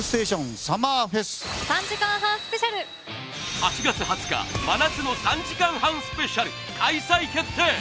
８月２０日真夏の３時間半スペシャル開催決定！